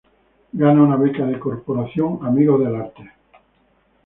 Gana una Beca de Corporación Amigos del Arte.